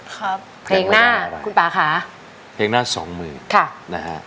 ครับเพลงหน้าคุณป่าค่ะเพลงหน้าสองหมื่นค่ะนะฮะ